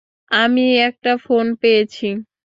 আমি একটা ফোন পেয়েছি!